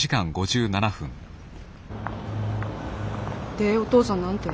でお父さん何て？